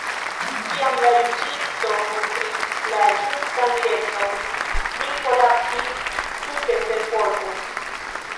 Kiam la juĝisto montris la ĝustan direkton, li kolapsis tute sen forto.